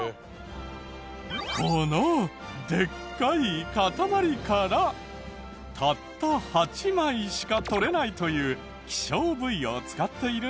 このでっかい塊からたった８枚しか取れないという希少部位を使っているので。